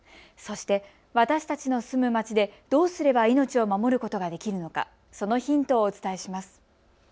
そして私たちの住む町でどうすれば命を守ることができるのか、そのヒントをお伝えします。